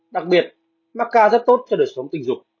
đặc biệt macca rất tốt cho đời sống tình dục